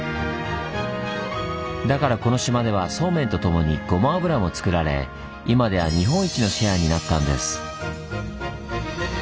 だからこの島ではそうめんと共にごま油もつくられ今では日本一のシェアになったんです。